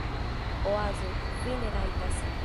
Oazo: "Vi ne rajtas."